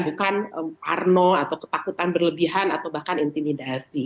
bukan parno atau ketakutan berlebihan atau bahkan intimidasi